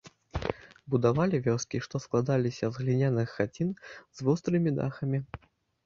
Будавалі вёскі, што складаліся з гліняных хацін з вострымі дахамі.